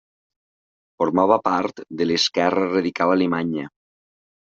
Formava part de l'esquerra radical alemanya.